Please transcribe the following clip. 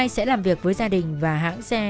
sẽ làm việc với gia đình và hãng xe